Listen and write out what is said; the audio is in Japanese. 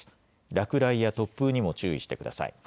落雷や突風にも注意してください。